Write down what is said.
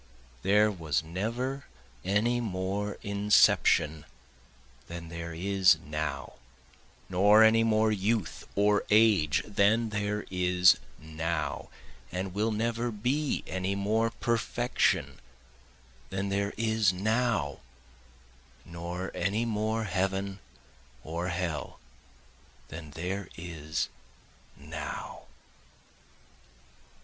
There was never any more inception than there is now, Nor any more youth or age than there is now, And will never be any more perfection than there is now, Nor any more heaven or hell than there is now.